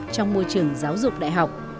trong môi trường giáo dục đại học